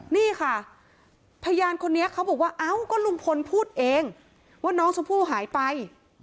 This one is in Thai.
นี่ค่ะพยานคนนี้เขาบอกว่าเอ้าก็ลุงพลพูดเองว่าน้องชมพู่หายไป